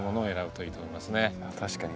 確かに。